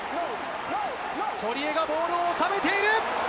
堀江がボールをおさめている。